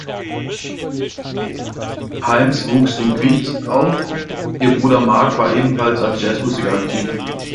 Hyams wuchs in Queens auf; ihr Bruder Mark war ebenfalls als Jazzmusiker aktiv.